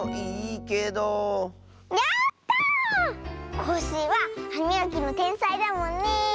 コッシーははみがきのてんさいだもんねえ。